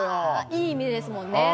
いい意味ですものね。